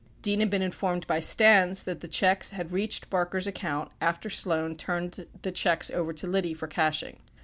21 Dean had been informed by Stans that the checks had reached Barker's account after Sloan turned the checks over to Liddy for cashing.